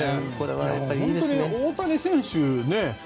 本当に大谷選手